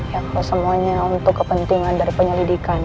ya kalau semuanya untuk kepentingan dari penyelidikan